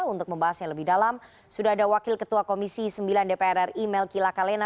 untuk membahasnya lebih dalam sudah ada wakil ketua komisi sembilan dpr ri melki lakalena